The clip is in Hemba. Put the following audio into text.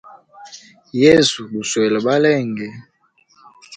Yesu guswele balenge.